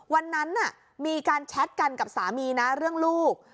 วันนั้นมีการแชทกันกับสามีนะเรื่องลูก